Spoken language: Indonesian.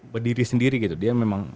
berdiri sendiri gitu dia memang